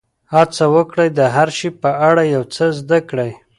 هڅه وکړئ د هر شي په اړه یو څه زده کړئ.